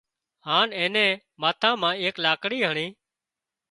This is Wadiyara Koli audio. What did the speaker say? هانَ اين نين ماٿا مان ايڪ لاڪڙِي هڻي